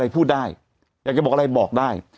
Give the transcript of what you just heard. แต่หนูจะเอากับน้องเขามาแต่ว่า